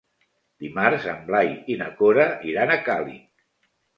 Dimarts en Blai i na Cora iran a Càlig.